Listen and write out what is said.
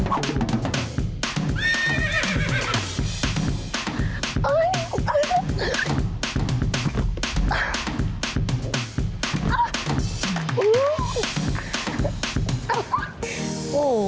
โอ้โห